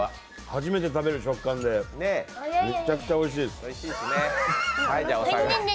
初めて食べる食感でむっちゃくちゃおいしいです。